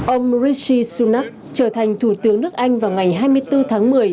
ông murishi sunak trở thành thủ tướng nước anh vào ngày hai mươi bốn tháng một mươi